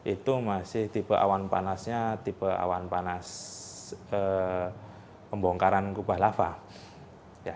itu masih tipe awan panasnya tipe awan panas pembongkaran kubah lava